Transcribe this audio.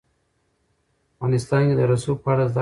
افغانستان کې د رسوب په اړه زده کړه کېږي.